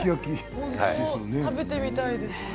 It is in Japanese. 食べてみたいです。